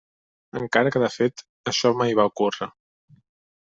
Encara que de fet, això mai va ocórrer.